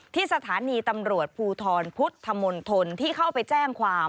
ที่สถานีตำรวจภูทรพุทธมณฑลที่เข้าไปแจ้งความ